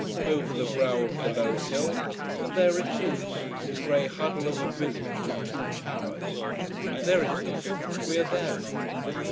Over the brow of the low hill and there it is, a grey huddle of a village with two towers. There it is, we are there.